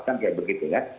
kan kayak begitu ya